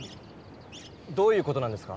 どういう事なんですか？